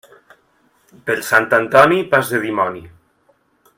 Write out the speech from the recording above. Per Sant Antoni, pas de dimoni.